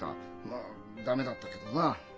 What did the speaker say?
まあ駄目だったけどな。